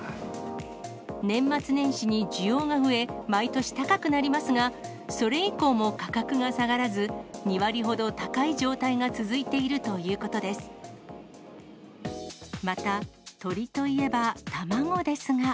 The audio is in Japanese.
年末年始に需要が増え、毎年高くなりますが、それ以降も価格が下がらず、２割ほど高い状態が続いているということです。